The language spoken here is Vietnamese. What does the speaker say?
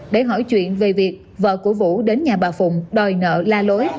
để hỏi chuyện về việc vợ của vũ đến nhà bà phụng đòi nợ la lối